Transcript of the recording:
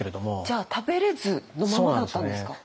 じゃあ食べれずのままだったんですか。